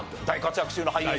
大活躍。